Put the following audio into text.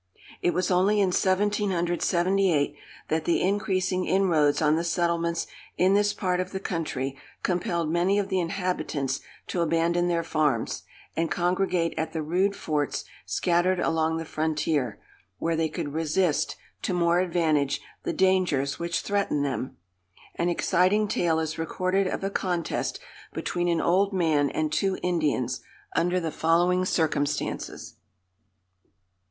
It was only in 1778, that the increasing inroads on the settlements in this part of the country compelled many of the inhabitants to abandon their farms, and congregate at the rude forts scattered along the frontier, where they could resist, to more advantage, the dangers which threatened them. An exciting tale is recorded of a contest between an old man and two Indians, under the following circumstances.